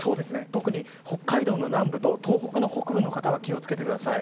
特に北海道南部と東北北部の方気を付けてください。